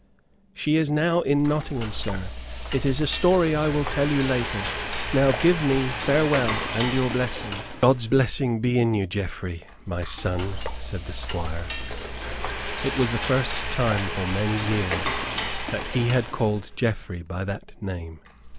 "She is now in Nottingham, sir. It is a story which I will tell you later. Now give me farewell, and your blessing." "God's blessing be in you, Geoffrey, my son," said the Squire. It was the first time for many years that he had called Geoffrey by that name.